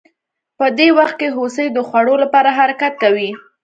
په دې وخت کې هوسۍ د خوړو لپاره حرکت کوي